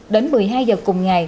đến một mươi hai h cùng ngày